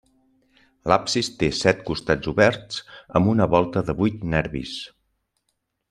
L'absis té set costats coberts amb una volta de vuit nervis.